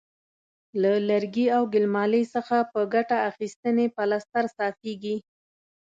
له لرګي او ګل مالې څخه په ګټه اخیستنې پلستر صافیږي.